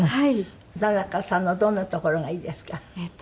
田中さんのどんなところがいいですか？